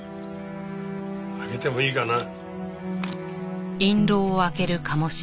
開けてもいいかな？